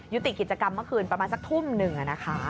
ยุติกิจกรรมเมื่อคืนประมาณสักทุ่มหนึ่งนะคะ